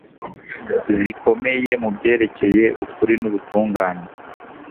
zikomeye mu byerekeye ukuri nubutungane